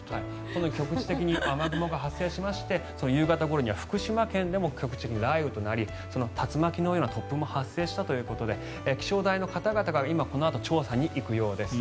このように局地的に雨雲が発生しまして夕方には福島県でも局地的に雷雨となり竜巻のような突風も発生したということで気象台の方々がこのあと調査に行くようです。